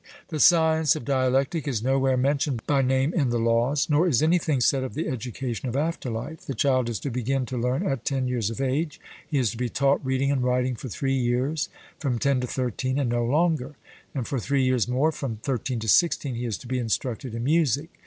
The science of dialectic is nowhere mentioned by name in the Laws, nor is anything said of the education of after life. The child is to begin to learn at ten years of age: he is to be taught reading and writing for three years, from ten to thirteen, and no longer; and for three years more, from thirteen to sixteen, he is to be instructed in music.